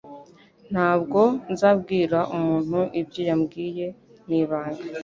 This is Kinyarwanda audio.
Ntabwo nzabwira umuntu ibyo yambwiye. Ni ibanga.